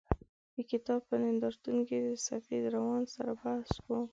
د کتاب په نندارتون کې د سفید روان سره بحث و.